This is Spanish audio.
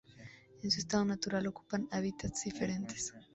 En su estado natural, ocupan hábitats diferentes.